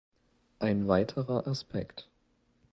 Ein weiterer Aspekt.